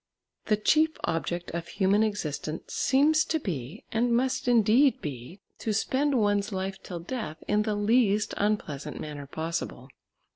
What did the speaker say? The chief object of human existence seems to be, and must indeed be, to spend one's life till death in the least unpleasant manner possible.